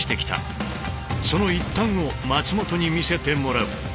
その一端を松本に見せてもらう。